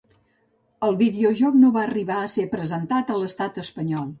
El videojoc no va arribar a ser presentat a l'Estat Espanyol.